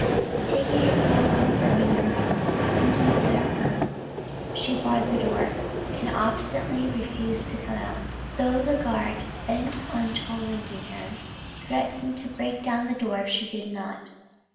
Taking her four little Burman girls into an inner room she barred the door, and obstinately refused to come out, although the guard, bent on tormenting her, threatened to break the door down if she did not.